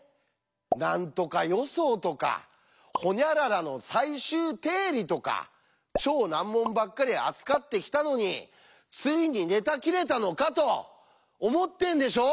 「何とか予想とかほにゃららの最終定理とか超難問ばっかり扱ってきたのについにネタ切れたのか！」と思ってんでしょう？